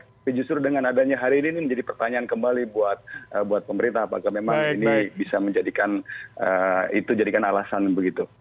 tapi justru dengan adanya hari ini menjadi pertanyaan kembali buat pemerintah apakah memang ini bisa menjadikan itu jadikan alasan begitu